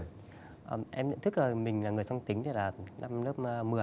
em nhận thức là mình là người song tính từ năm lớp một mươi